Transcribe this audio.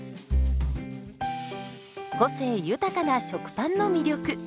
個性豊かな食パンの魅力。